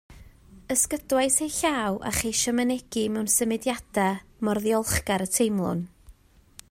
Ysgydwais ei llaw a cheisio mynegi mewn symudiadau mor ddiolchgar y teimlwn